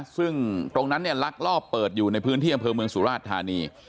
ซึ่งตรงนั้นลักลอบเปิดอยู่ในพื้นเที่ยงบริเวณเมืองสุราชธรรมนี